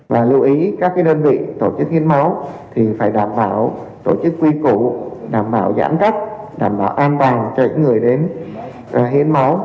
và lưu ý các đơn vị tổ chức hiến máu thì phải đảm bảo tổ chức quy cụ đảm bảo giãn cách đảm bảo an toàn cho những người đến hiến máu